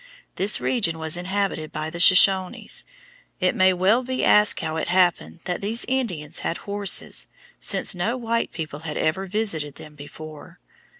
This region was inhabited by the Shoshones. It may well be asked how it happened that these Indians had horses, since no white people had ever visited them before.